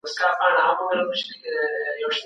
د بهرنیو مرستو شفافیت څنګه ساتل کیږي؟